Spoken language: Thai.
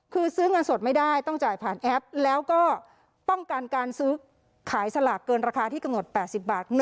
คือซื้อเงินสดไม่ได้ต้องจ่ายผ่านแอปแล้วก็ป้องกันการซื้อขายสลากเกินราคาที่กำหนด๘๐บาท